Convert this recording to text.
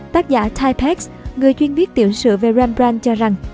tác giả typex người chuyên viết tiểu sự về rembrandt cho rằng